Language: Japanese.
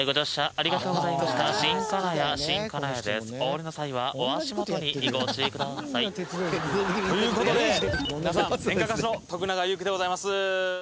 お降りの際はお足元にご注意ください。という事で、皆さん、演歌歌手の徳永ゆうきでございます。